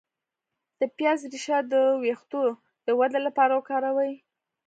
د پیاز ریښه د ویښتو د ودې لپاره وکاروئ